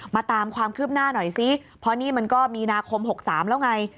ตามความคืบหน้าหน่อยซิเพราะนี่มันก็มีนาคม๖๓แล้วไง